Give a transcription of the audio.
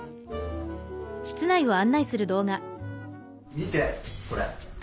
見てこれ！